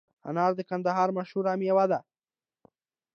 انار د کندهار مشهوره مېوه ده